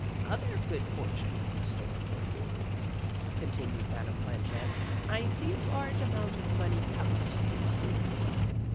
" Other good fortune is in store for you," continued Madame Planchet. "I see a large amount of money coming to you soon.